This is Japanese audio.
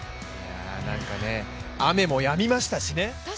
雨もやみましたしね。